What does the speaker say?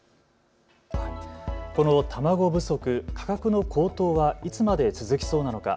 この卵不足、価格の高騰はいつまで続きそうなのか。